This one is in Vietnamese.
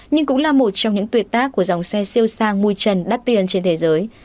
nhưng cũng là một trong những tuyệt tác của dòng xe siêu sang mui trần đắt tiền trên thế giới